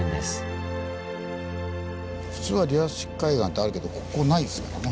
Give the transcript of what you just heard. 普通はリアス式海岸ってあるけどここないですからね。